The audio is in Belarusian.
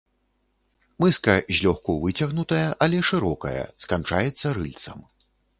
Мыска злёгку выцягнутая, але шырокая, сканчаецца рыльцам.